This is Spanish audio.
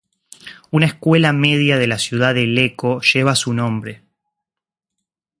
Una escuela media de la ciudad de Lecco lleva su nombre.